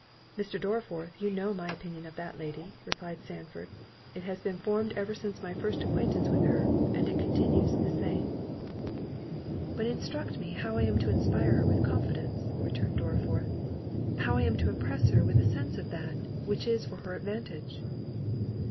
"Mr. Dorriforth, you know my opinion of that lady," replied Sandford; "it has been formed ever since my first acquaintance with her, and it continues the same." "But instruct me how I am to inspire her with confidence," returned Dorriforth; "how I am to impress her with a sense of that, which is for her advantage?"